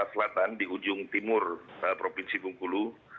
selatan di ujung timur provinsi bengkulu